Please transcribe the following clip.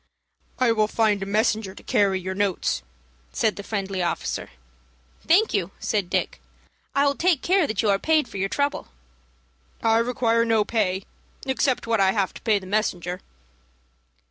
"I will find a messenger to carry your notes," said the friendly officer. "Thank you," said Dick. "I will take care that you are paid for your trouble." "I require no pay except what I have to pay the messenger."